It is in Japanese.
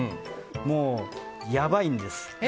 もう、やばいんです。